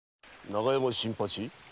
永山新八。